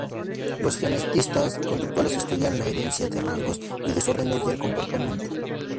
Los genetistas conductuales estudian la herencia de rasgos y desórdenes del comportamiento.